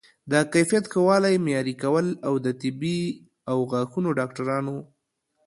د کیفیت ښه والی معیاري کول او د طبي او غاښونو ډاکټرانو